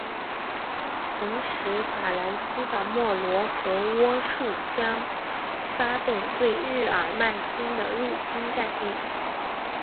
同时法兰西的莫罗和喔戌将发动对日耳曼新的入侵战役。